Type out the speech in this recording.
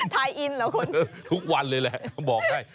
ถ่ายอินเหรอคุณทุกวันเลยแหละบอกให้